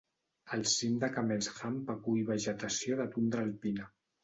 El cim de Camel's Hump acull vegetació de tundra alpina.